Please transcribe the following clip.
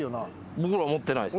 僕ら持ってないです。